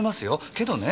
けどね！